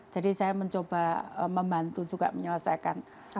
jadi saya mencoba membantu juga menyelesaikan masalah